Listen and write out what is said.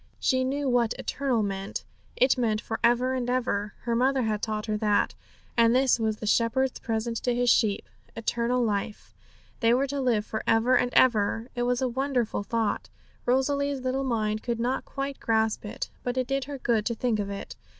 She knew what eternal meant; it meant for ever and for ever; her mother had taught her that. And this was the Shepherd's present to His sheep. Eternal life; they were to live for ever and ever. It was a wonderful thought; Rosalie's little mind could not quite grasp it, but it did her good to think of it.